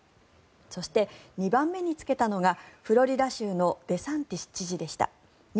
そして、２番目につけたのがフロリダ州のデサンティス知事でした。